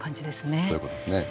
そういうことですね。